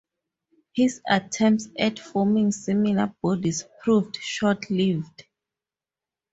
His attempts at forming similar bodies proved short-lived.